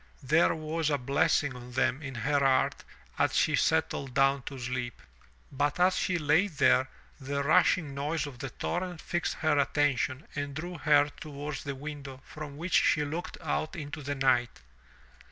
There was a blessing on them in her heart as she settled down to sleep. But as she lay there, the rushing noise of the torrent fixed her 245 MY BOOK HOUSE attention and drew her towards the window from which she looked out into the night.